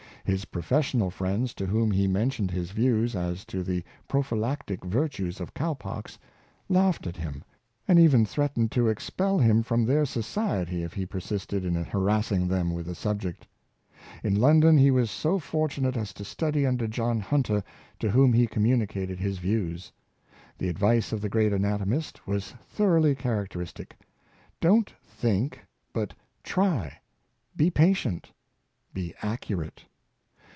His professional friends, to whom he mentioned his views as to the prophylactic virtues of cow pox, laughed at him, and even threat ened to expel him from their society, if he persisted in harrassing them with the subject. In London he was so fortunate as to study under John Hunter, to whom he communicated his views. The advice of the great an atomist was thoroughly characteristic: "Don't think, but try ; be patient, be accurate.